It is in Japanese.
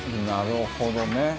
なるほどね。